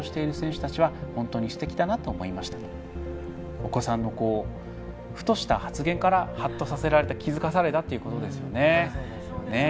お子さんのふとした発言からはっとさせられた気付かされたということですね。